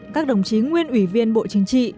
các đồng chí nguyên ủy viên bộ chính trị